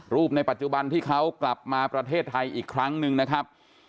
ในปัจจุบันที่เขากลับมาประเทศไทยอีกครั้งหนึ่งนะครับ